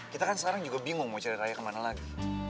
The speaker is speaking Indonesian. kita kan sekarang juga bingung mau cari raya kemana lagi